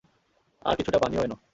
আর কিছুটা পানিও এনো।